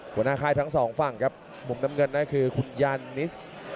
หัวหน้าค่ายทั้งสองฝั่งครับมุมน้ำเงินนั่นคือคุณยานนิส